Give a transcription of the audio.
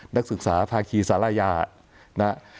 นักศึกษาภาคีศาละยา